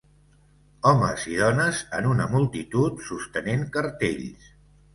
Homes i dones en una multitud sostenen cartells.